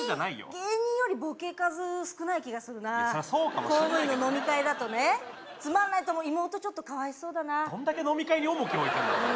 芸人よりボケ数少ない気がするないやそうかもしれないけどね公務員の飲み会だとねつまんないと思う妹ちょっとかわいそうだなどんだけ飲み会に重き置いてんだお前な